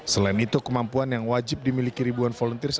selain itu kemampuan yang wajib dimiliki ribuan volunteers